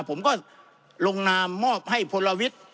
ผมก็ลงนามมอบให้พลวิทย์